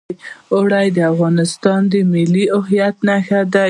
اوړي د افغانستان د ملي هویت نښه ده.